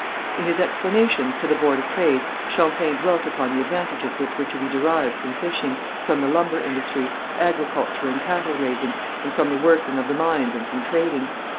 In his explanations to the Board of Trade Champlain dwelt upon the advantages which were to be derived from fishing, from the lumber industry, agriculture and cattle raising, and from the working of the mines and from trading.